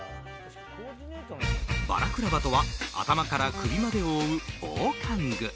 バラクラバとは頭から首までを覆う防寒具。